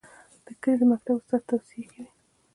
د کلي د مکتب استاد توصیې کوي.